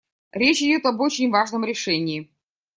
Речь идет об очень важном решении.